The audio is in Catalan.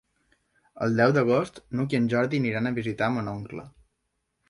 El deu d'agost n'Hug i en Jordi aniran a visitar mon oncle.